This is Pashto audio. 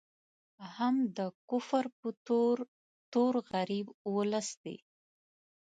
هم د کفر په تور، تور غریب ولس دی